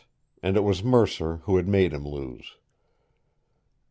And it was Mercer who had made him lose.